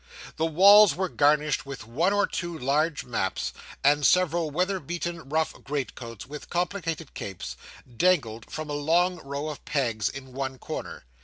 The walls were garnished with one or two large maps; and several weather beaten rough greatcoats, with complicated capes, dangled from a long row of pegs in one corner.